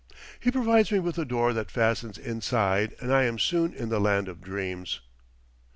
He provides me with a door that fastens inside, and I am soon in the land of dreams.